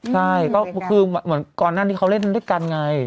ใช่ก็คือเหมือนก่อนหน้านี้เขาเล่นด้วยกันไง